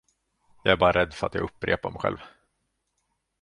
Jag är bara rädd för att jag upprepar mig själv.